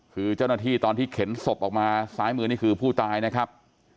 คือเจ้าหน้าที่ตอนที่เข็นศพออกมาซ้ายมือนี่คือผู้ตายนะครับ